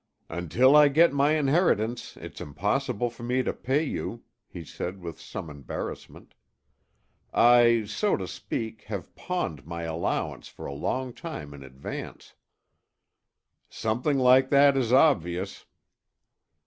"Until I get my inheritance, it's impossible for me to pay you," he said with some embarrassment. "I, so to speak, have pawned my allowance for a long time in advance." "Something like that is obvious."